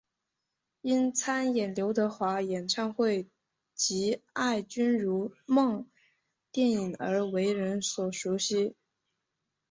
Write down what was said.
因参演刘德华演唱会及爱君如梦电影而为人所熟悉。